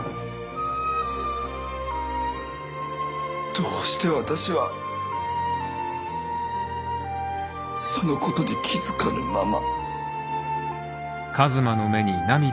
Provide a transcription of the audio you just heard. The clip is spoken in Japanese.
どうして私はそのことに気付かぬまま。